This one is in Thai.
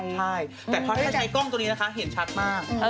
ใช่แต่พอถ้าใช้ในกล้องตัวนี้นะคะเห็นชัดมาก